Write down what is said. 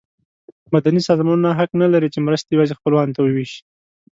مدني سازمانونه حق نه لري چې مرستې یوازې خپلوانو ته وویشي.